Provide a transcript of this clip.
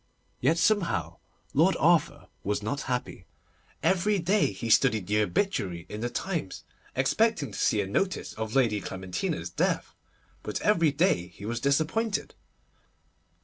Yet somehow Lord Arthur was not happy. Every day he studied the obituary column in the Times, expecting to see a notice of Lady Clementina's death, but every day he was disappointed.